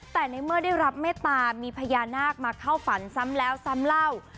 แต่ในเมื่อได้รับเมตตามีพญานาคมาเข้าฝันซ้ำแล้วซ้ำเล่า